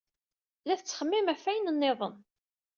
La tettxemmim ɣef wayen niḍen.